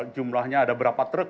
jumlahnya ada berapa truk